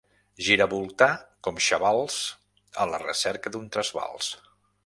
Giravoltar com xavals a la recerca d'un trasbals.